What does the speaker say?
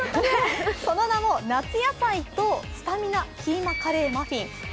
その名も夏野菜とスタミナキーマカレーマフィン。